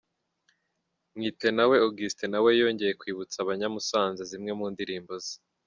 Mwitenawe Augustin nawe yongeye kwibutsa abanyamusanze zimwe mu ndirimbo ze.